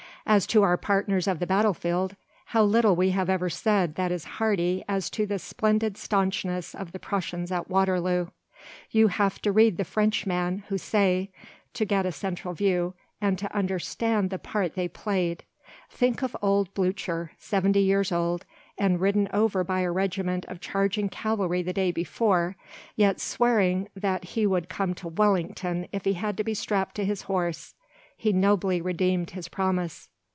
And as to our partners of the battlefield, how little we have ever said that is hearty as to the splendid staunchness of the Prussians at Waterloo. You have to read the Frenchman, Houssaye, to get a central view and to understand the part they played. Think of old Blucher, seventy years old, and ridden over by a regiment of charging cavalry the day before, yet swearing that he would come to Wellington if he had to be strapped to his horse. He nobly redeemed his promise.